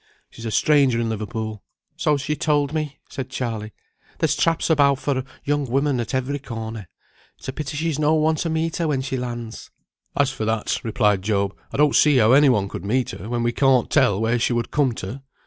She's a stranger in Liverpool." "So she told me," said Charley. "There's traps about for young women at every corner. It's a pity she's no one to meet her when she lands." "As for that," replied Job, "I don't see how any one could meet her when we can't tell where she would come to.